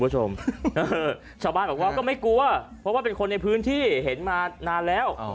ชาวบ้านบอกว่าก็ไม่กลัวเพราะว่าเป็นคนในพื้นที่เห็นมานานแล้ว